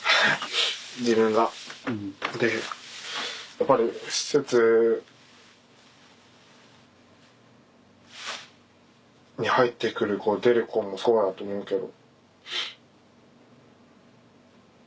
やっぱり施設に入って来る子出る子もそうだと思うけど。